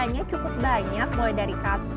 nah ini tadi saya mencoba yang varian katsu sando ya